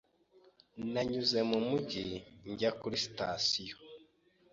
Nanyuze mu mujyi njya kuri sitasiyo.